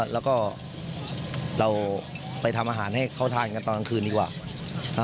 แล้วก็เราไปทำอาหารให้เขาทานกันตอนกลางคืนดีกว่า